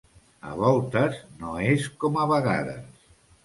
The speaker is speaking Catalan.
A voltes no és com a vegades.